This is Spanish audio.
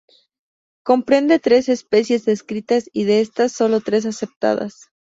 Comprende trece especies descritas y de estas, solo tres aceptadas.